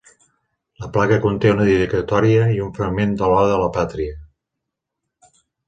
La placa conté una dedicatòria i un fragment de l'Oda a la Pàtria.